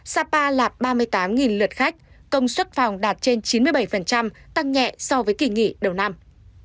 sapa đạt ba mươi tám lượt khách công suất phòng đạt trên chín mươi bảy tăng nhẹ so với kỳ nghỉ đầu năm